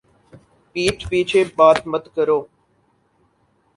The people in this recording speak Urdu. پِیٹھ پیچھے بات مت کرو